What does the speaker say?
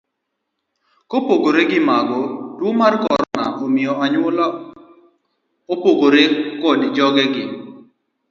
Kopogore gi mago, tuo mar korona omiyo anyuola opogore koda jogegi.